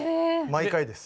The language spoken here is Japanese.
毎回です。